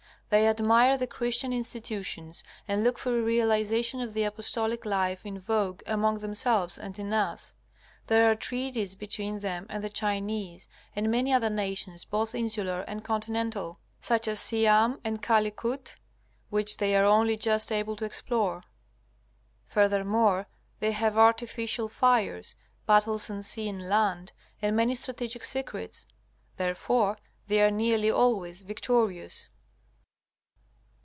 They admire the Christian institutions and look for a realization of the apostolic life in vogue among themselves and in us. There are treaties between them and the Chinese and many other nations, both insular and continental, such as Siam and Calicut, which they are only just able to explore. Furthermore, they have artificial fires, battles on sea and land, and many strategic secrets. Therefore they are nearly always victorious.